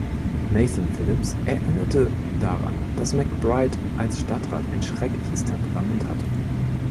Nathan Phillips erinnerte daran, dass McBride als Stadtrat ein schreckliches Temperament hatte.